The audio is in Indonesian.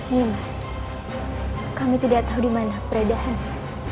nyimas kami tidak tahu dimana peradahan dia